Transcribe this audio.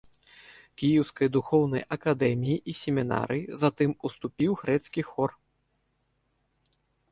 Кіеўскай духоўнай акадэміі і семінарыі, затым уступіў грэцкі хор.